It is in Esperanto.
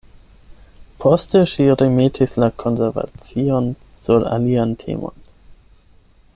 Poste ŝi remetis la konversacion sur alian temon.